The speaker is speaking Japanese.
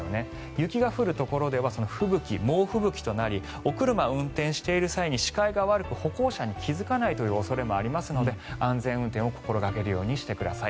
雪が降るところでは吹雪、猛吹雪となりお車を運転している際に視界が悪く歩行者に気付かないという恐れもありますので安全運転を心掛けるようにしてください。